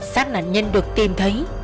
xác nạn nhân được tìm thấy